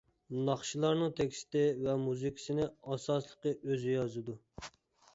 ناخشىلارنىڭ تېكىستى ۋە مۇزىكىسىنى ئاساسلىقى ئۆزى يازىدۇ.